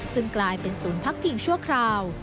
ซึ่งกลายเป็นภักดิ์ปิงชั่วคราว